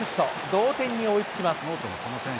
同点に追いつきます。